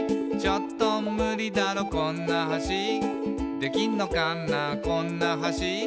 「ちょっとムリだろこんな橋」「できんのかなこんな橋」